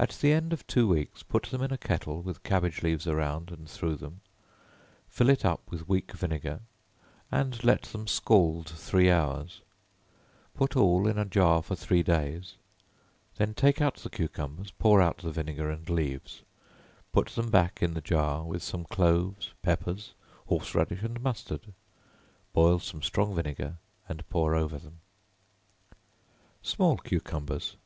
At the end of two weeks put them in a kettle, with cabbage leaves around and through them; fill it up with weak vinegar, and let them scald three hours; put all in a jar for three days, then take out the cucumbers, pour out the vinegar and leaves; put them back in the jar, with some cloves, peppers, horse radish and mustard; boil some strong vinegar and pour over them. Small Cucumbers.